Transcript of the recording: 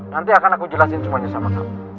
nanti akan aku jelasin semuanya sama kamu